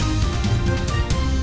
saya ke bang sarman